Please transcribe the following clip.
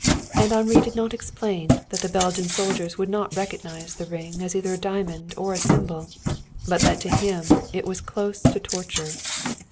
And Henri did not explain that the Belgian soldiers would not recognize the ring as either a diamond or a symbol, but that to him it was close to torture.